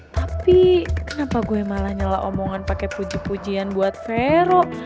tapi kenapa gue malah nyela omongan pakai puji pujian buat vero